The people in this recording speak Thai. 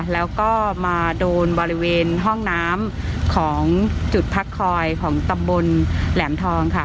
แล้วก็มาโดนบริเวณห้องน้ำของจุดพักคอยของตำบลแหลมทองค่ะ